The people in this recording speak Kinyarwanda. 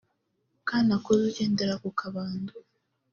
Kanakuze ugendera ku kabando